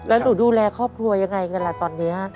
แล้วหนูดูแลครอบครัวยังไงกันล่ะตอนนี้